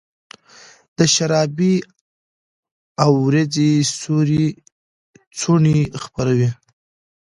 د شرابې اوریځو سیوري څوڼي خپروي